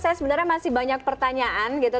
sebenarnya saya masih banyak pertanyaan gitu